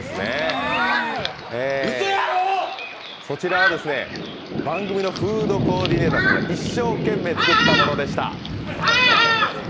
そちらは番組のフードコーディネーターさんが一生懸命作ったものでした！